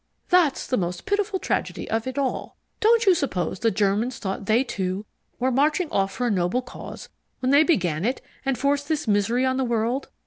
That's the most pitiful tragedy of it all. Don't you suppose the Germans thought they too were marching off for a noble cause when they began it and forced this misery on the world?